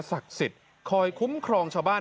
สิทธิ์คอยคุ้มครองชาวบ้าน